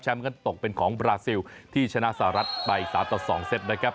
ก็ตกเป็นของบราซิลที่ชนะสหรัฐไป๓ต่อ๒เซตนะครับ